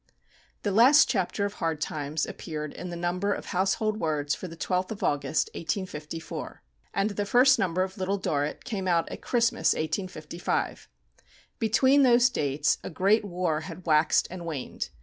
The last chapter of "Hard Times" appeared in the number of Household Words for the 12th of August, 1854, and the first number of "Little Dorrit" came out at Christmas, 1855. Between those dates a great war had waxed and waned.